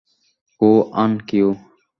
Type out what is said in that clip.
কু আন কিউ।